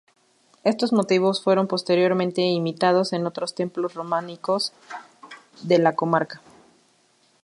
Estos motivos fueron posteriormente imitados en otros templos románicos de la comarca.